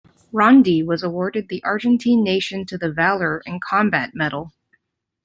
Rondi was awarded the Argentine Nation to the Valour in Combat Medal.